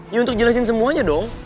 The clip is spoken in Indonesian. ya untuk jelasin semuanya dong